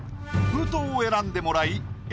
封筒を選んでもらいＡＢ